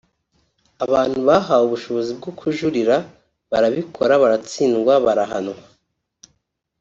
Abantu bahawe ubushobozi bwo kujurira barabikora baratsindwa barahanwa